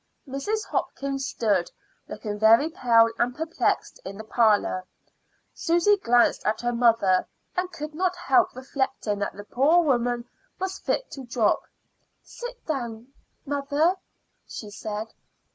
Mrs. Hopkins stood, looking very pale and perplexed, in the parlor. Susy glanced at her mother, and could not help reflecting that the poor woman was fit to drop. "Do sit down, mother," she said.